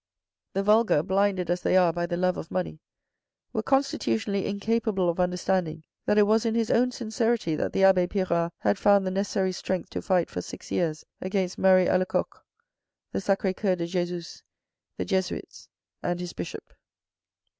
The vulgar, blinded as they are by the love of money, were constitutionally incapable of understanding that it was in his own sincerity that the abbe Pirard had found the necessary strength to fight for six years against Marie Alacoque, the Sacri Coeur de Jems, the Jesuits and his Bishop.